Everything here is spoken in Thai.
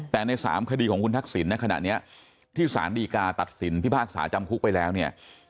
แต่ใน๓คดีของคุณทักษิณในขณะนี้ที่สารดีกาตัดสินพิพากษาจำคุกไปแล้วเนี่ย